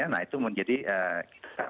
nah itu menjadi kita